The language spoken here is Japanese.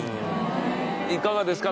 いかがですか？